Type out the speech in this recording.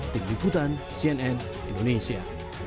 tinggikan sien nen indonesia